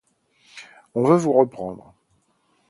On veut vous reprendre.